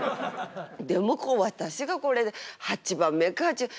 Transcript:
でもこう私がこれで８番目かっちゅう。